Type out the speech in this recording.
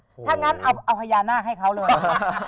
ถ้างั้นเอาพญานาคให้เขาเลย